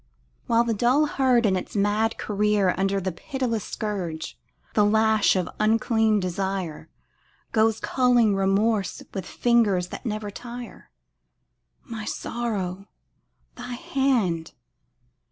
While the dull herd in its mad career Under the pitiless scourge, the lash of unclean desire, Goes culling remorse with fingers that never tire: My sorrow, thy hand!